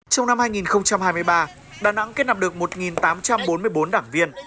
trong năm hai nghìn hai mươi ba đà nẵng kết nạp được một tám trăm bốn mươi bốn đảng viên